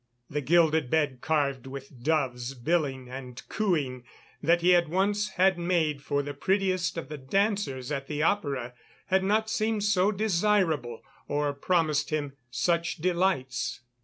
The gilded bed carved with doves billing and cooing that he had once had made for the prettiest of the dancers at the Opera had not seemed so desirable or promised him such delights.